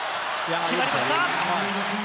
決まりました！